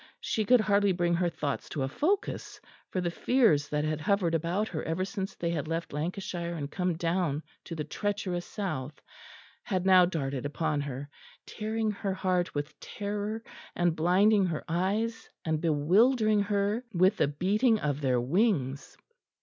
She could hardly bring her thoughts to a focus, for the fears that had hovered about her ever since they had left Lancashire and come down to the treacherous south, had now darted upon her, tearing her heart with terror and blinding her eyes, and bewildering her with the beating of their wings.